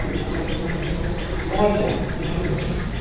Giger.